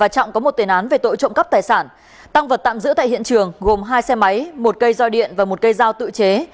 tăng vật tạm giữ tại hiện trường gồm hai xe máy một cây doi điện và một cây dao tự chế